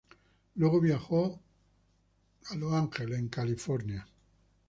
Luego, viajó a Los Ángeles, California.